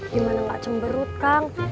gimana kagaceng berut kang